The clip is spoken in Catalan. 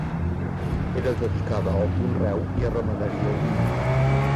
Era dedicada al conreu i a ramaderia ovina.